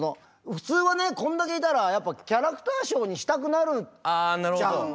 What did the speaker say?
普通はねこんだけいたらやっぱキャラクターショーにしたくなるじゃん。